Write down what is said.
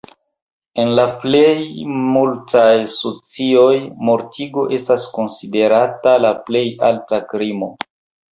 En la plejmultaj socioj mortigo estas konsiderata la plej alta krimo.